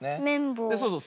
そうそう。